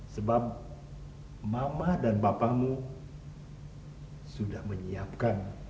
sebab mama dan bapakmu sudah menyiapkan